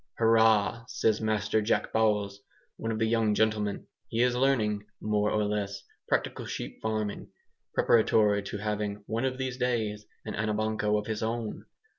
"Hurrah!" says Master Jack Bowles, one of the young gentlemen. He is learning (more or less) practical sheep farming, preparatory to having (one of these days) an Anabanco of his own.